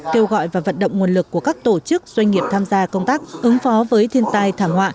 kêu gọi và vận động nguồn lực của các tổ chức doanh nghiệp tham gia công tác ứng phó với thiên tai thảm họa